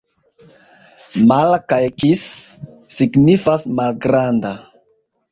Mala kaj kis signifas: malgranda.